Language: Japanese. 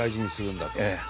ええ。